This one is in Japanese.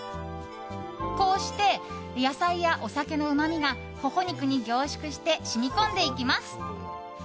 こうして野菜やお酒のうまみがホホ肉に凝縮して染み込んでいきます。